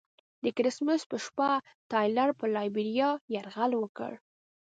د کرسمس په شپه ټایلر پر لایبیریا یرغل وکړ.